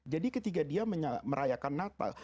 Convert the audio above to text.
jadi ketika dia merayakan natal